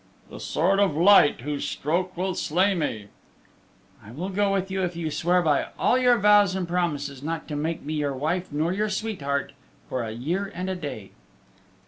"The Sword of Light whose stroke will slay me." "I will go with you if you swear by all your vows and promises not to make me your wife nor your sweetheart for a year and a day."